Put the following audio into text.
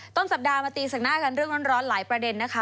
ต้นสัปดาห์มาตีแสกหน้ากันเรื่องร้อนหลายประเด็นนะคะ